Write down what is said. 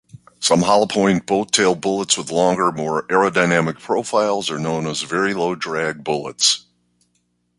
Some hollow-point boat-tail bullets with longer, more aerodynamic profiles are known as very-low-drag bullets.